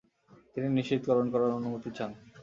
তিনি নিশ্চিতকরণ করার অনুমতি চান।